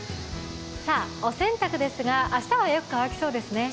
お洗濯ですが、明日はよく乾きそうですね？